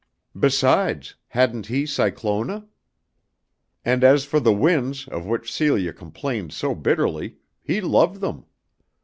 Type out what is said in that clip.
Besides, hadn't he Cyclona? And as for the winds of which Celia complained so bitterly, he loved them.